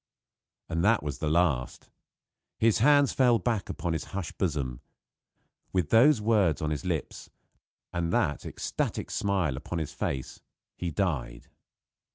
And that was the last. His hands fell back upon his hushed bosom. With those words on his lips, and that ecstatic smile upon his face, he died.